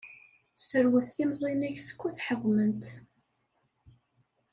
Serwet timẓin-ik skud ḥeḍment.